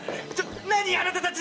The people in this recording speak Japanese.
なにあなたたち⁉